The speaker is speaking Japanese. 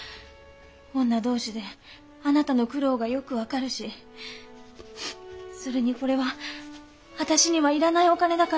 女同士であなたの苦労がよく分かるしそれにこれは私には要らないお金だからよ。